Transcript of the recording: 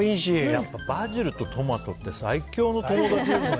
やっぱバジルとトマトって最強の友達ですね。